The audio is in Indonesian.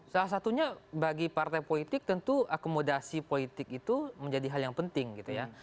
salah satunya bagi partai politik tentu akomodasi politik itu menjadi hal yang penting gitu ya